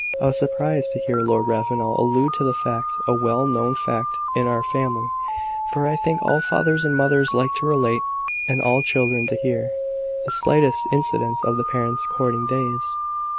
I was surprised to hear Lord Ravenel allude to the fact, a well known fact in our family; for I think all fathers and mothers like to relate, and all children to hear, the slightest incidents of the parents' courting days.